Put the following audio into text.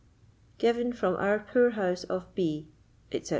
"Given from our poor house of B——," etc.